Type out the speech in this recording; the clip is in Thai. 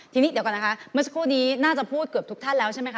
ทีนี้เดี๋ยวก่อนนะคะเมื่อสักครู่นี้น่าจะพูดเกือบทุกท่านแล้วใช่ไหมค